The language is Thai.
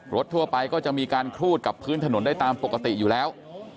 ทั่วไปก็จะมีการครูดกับพื้นถนนได้ตามปกติอยู่แล้ว